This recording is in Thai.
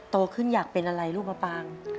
โตขึ้นอยากเป็นอะไรลูกมะปาง